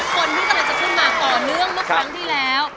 คนพี่เกิดจะขึ้นมาต่อเนื่องละครั้งที่แล้ว